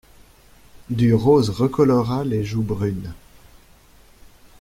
Du rose recolora les joues brunes.